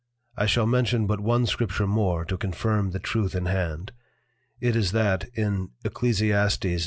I shall mention but one Scripture more to confirm the Truth in hand: It is that in _Eccles.